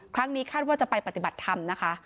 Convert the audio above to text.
ครั้งนี้คาดว่าจะไปปฏิบัติธรรมนะคะ